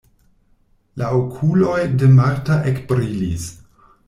La okuloj de Marta ekbrilis.